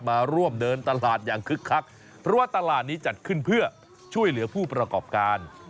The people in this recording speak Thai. มาร่วมเดินตลาดอย่างคึกคักเพราะว่าตลาดนี้จัดขึ้นเพื่อช่วยเหลือผู้ประกอบการ